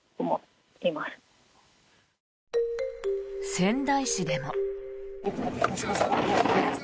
仙台市でも。